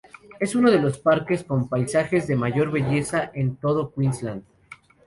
Es uno de los parques con paisajes de mayor belleza en todo Queensland.